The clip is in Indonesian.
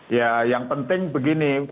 ya yang penting begini